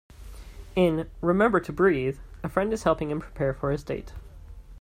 In "Remember to Breathe", a friend is helping him prepare for his date.